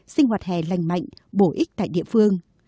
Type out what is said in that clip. sinh hoạt hè lành mạnh bổ ích tại địa phương